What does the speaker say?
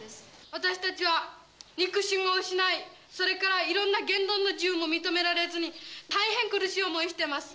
私たちは肉親を失い、それからいろんな言論の自由も認められずに、大変苦しい思いしてます。